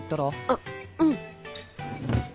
あっうん。